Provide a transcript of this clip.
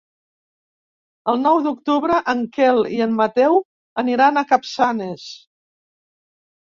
El nou d'octubre en Quel i en Mateu aniran a Capçanes.